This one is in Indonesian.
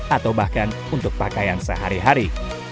atau bahkan untuk pakaian sehari hari